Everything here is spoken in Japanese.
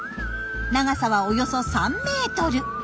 長さはおよそ３ｍ。